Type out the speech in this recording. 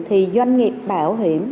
thì doanh nghiệp bảo hiểm